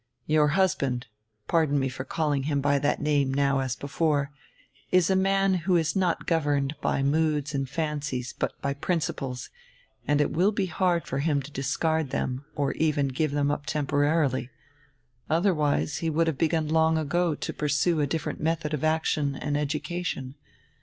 Your hus band — pardon me for calling him by diat name now as before — is a man who is not governed by moods and fan cies, but by principles, and it will be hard for him to dis card them or even give them up temporarily. Otherwise he would have begun long ago to pursue a different method of action and education.